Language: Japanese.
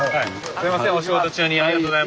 すいません。